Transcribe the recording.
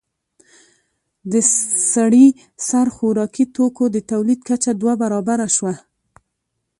د سړي سر خوراکي توکو د تولید کچه دوه برابره شوه